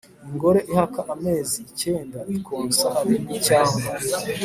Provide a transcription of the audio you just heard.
Ingore ihaka amezi ikenda, ikonsa arindwi cyangwa